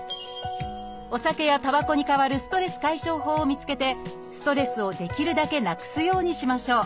お酒やたばこに代わるストレス解消法を見つけてストレスをできるだけなくすようにしましょう。